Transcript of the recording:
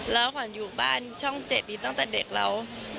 แล้วขวัญอยู่บ้านช่อง๗นี้ตั้งแต่เด็กแล้ว